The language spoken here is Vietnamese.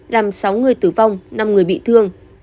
làm sáu người tử vong năm người bị thương